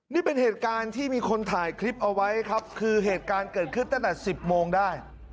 นี่เป็นเหตุการณ์ที่มีคนถ่ายคลิปเอาไว้ครับคือเหตุการณ์เกิดขึ้นตั้งแต่๑๐โมงได้